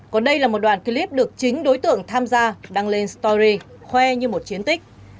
còn đây là một đoạn clip được chính đối tượng tham gia đăng lên story khoe như một chiến tích